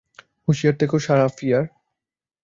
হুঁশিয়ার থেকো, Sarah fear.